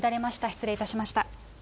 失礼いたしました。